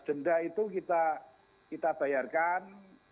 denda itu kita bayarkan